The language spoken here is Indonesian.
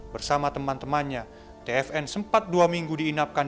bersama teman temannya tfn sempat dua minggu diinapkan